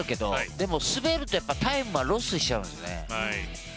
でも、滑るとタイムはロスしちゃうんですね。